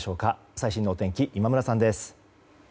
最新のお天気、今村さんです。